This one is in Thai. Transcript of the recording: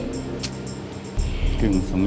แจ็คอเรียกคุณแจ็คนะครับ